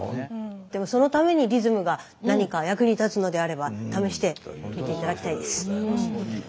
でもそのためにリズムが何か役に立つのであれば試してみて頂きたいです。